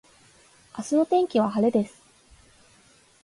明日の天気は晴れです。